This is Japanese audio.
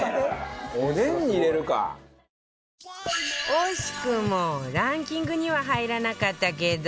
惜しくもランキングには入らなかったけど